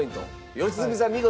良純さん見事！